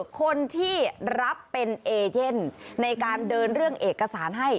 คนที่รับเป็นเอเย่นในการเดินเรื่องเอกสารให้